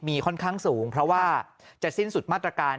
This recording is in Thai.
มีค่อนข้างสูงเพราะว่าจะสิ้นสุดมาตรการ